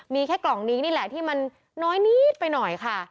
มีแค่กล่องนี้นี่แหละที่มันน้อยนิดไปหน่อยค่ะ